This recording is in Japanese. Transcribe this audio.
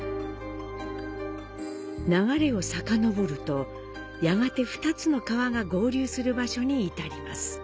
流れをさかのぼると、やがて２つの川が合流する場所に至ります。